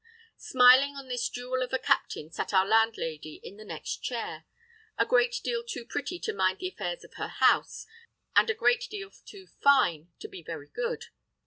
Smiling on this jewel of a captain sat our landlady in the next chair, a great deal too pretty to mind the affairs of her house, and a great deal too fine to be very good.